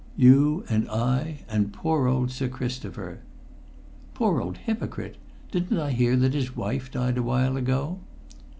"You, and I, and poor old Sir Christopher." "Poor old hypocrite! Didn't I hear that his wife died a while ago?"